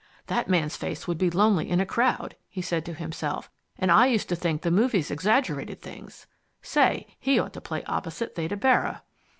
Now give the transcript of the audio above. "That man's face would be lonely in a crowd," he said to himself. "And I used to think the movies exaggerated things. Say, he ought to play opposite Theda Bara."